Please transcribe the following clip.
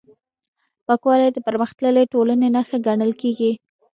پاکوالی د پرمختللې ټولنې نښه ګڼل کېږي.